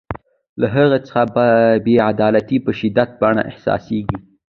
له هغې څخه بې عدالتي په شدیده بڼه احساسیږي.